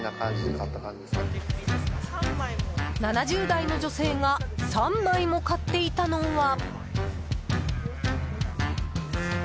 ７０代の女性が３枚も買っていたのは。